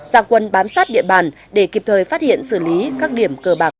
xã quân bám sát địa bàn để kịp thời phát hiện xử lý các điểm cờ bạc